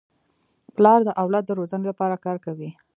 پلار د اولاد د روزني لپاره کار کوي.